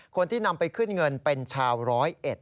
คนที่นำไปขึ้นเงินเป็นชาวร้อยเอ็ด